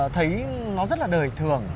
thấy nó rất là đời thường